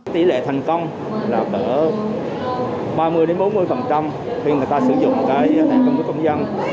tỷ lệ thành công là cỡ ba mươi bốn mươi khi người ta sử dụng cái thẻ căn cước công dân